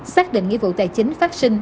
xác định nghĩa vụ tài chính phát sinh